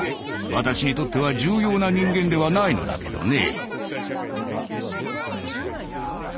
私にとっては重要な人間ではないのだけどね。